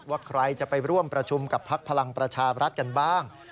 ว่าใครจะไปร่วมประชุมกับพักพลังประชาบรัฐกันบ้าง